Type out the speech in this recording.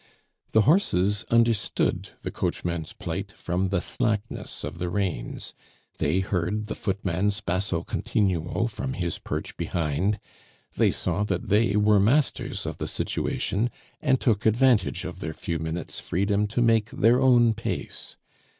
The horses understood the coachman's plight from the slackness of the reins; they heard the footman's basso continuo from his perch behind; they saw that they were masters of the situation, and took advantage of their few minutes' freedom to make their own pace.